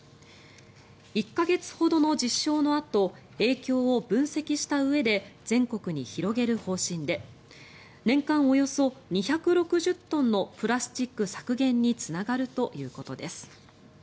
１か月ほどの実証のあと影響を分析したうえで全国に広げる方針で年間およそ２６０トンのプラスチック削減につながるということです。